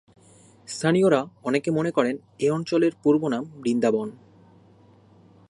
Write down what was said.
স্থানীয়রা অনেকে মনে করেন, এ অঞ্চলের পূর্ব নাম বৃন্দাবন।